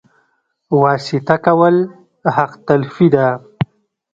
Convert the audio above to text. واسطه کول حق تلفي ده